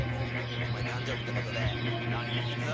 お前誕生日ってことで実は。